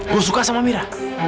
gue suka sama amira